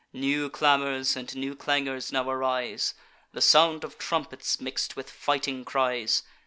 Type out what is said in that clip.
New clamours and new clangours now arise, The sound of trumpets mix'd with fighting cries.